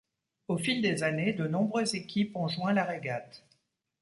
Au fil des années, de nombreuses équipes ont joint la régate.